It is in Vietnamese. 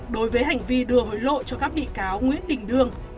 đối với hành vi đưa hối lộ cho các bị cáo nguyễn đình đương